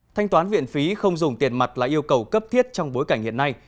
thanh toán viện phí không dùng tiền mặt là yêu cầu cấp thiết trong bối cảnh hiện nay